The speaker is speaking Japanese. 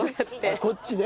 こっちね。